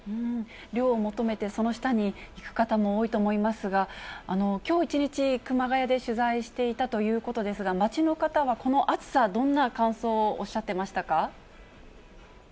涼を求めてその下に行く方も多いと思いますが、きょう一日、熊谷で取材していたということですが、街の方はこの暑さ、どんな感想をおっしゃってましたか。